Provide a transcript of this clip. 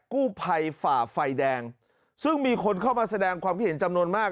กู้ภัยฝ่าไฟแดงซึ่งมีคนเข้ามาแสดงความคิดเห็นจำนวนมาก